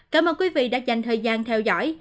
cảm ơn quý vị đã dành thời gian theo dõi